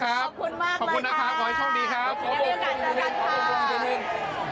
ขอบคุณมากเลยคะขอบคุณค่ะขอบคุณค่ะขอบคุณค่ะขอบคุณค่ะ